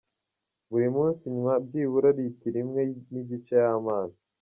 Buri munsi nywa byibura litiro imwe n`igice y`amazi.